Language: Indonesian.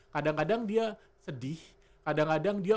kadang kadang dia sedih kadang kadang dia